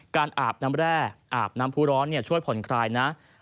การอาบน้ำแร่อาบน้ำฟูร้อนเนี่ยช่วยผ่อนคลายนะ